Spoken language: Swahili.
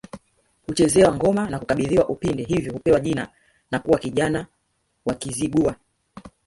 Huchezewa ngoma na kukabidhiwa upinde hivyo hupewa jina na kuwa kijana wa Kizigua